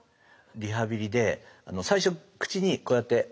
リハビリで最初口にこうやって。